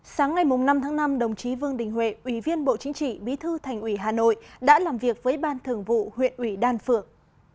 sáng ngày năm tháng năm đồng chí vương đình huệ ủy viên bộ chính trị bí thư thành ủy hà nội đã làm việc với ban thường vụ huyện ủy đan phượng